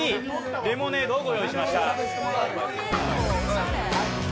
レモネードをご用意いたしました。